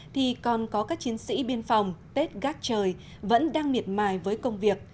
thì còn có các chiến sĩ biên phòng tết gác trời vẫn đang miệt mài với công việc